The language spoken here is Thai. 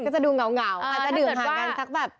ก็จะดูเหงาอาจจะดื่มห่างกันสักแบบ